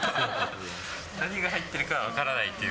何が入ってる分からないっていう？